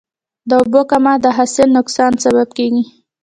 د اوبو کمښت د حاصل نقصان سبب کېږي.